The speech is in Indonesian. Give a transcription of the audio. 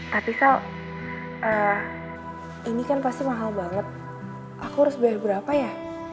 tapi kalau ini kan pasti mahal banget aku harus bayar berapa ya